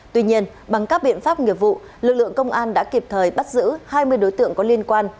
tuy nhiên bằng các biện pháp nghiệp vụ lực lượng công an đã kịp thời bắt giữ hai mươi đối tượng có liên quan